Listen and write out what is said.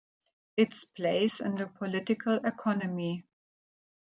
Its Place in the Political Economy".